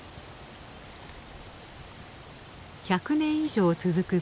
１００年以上続く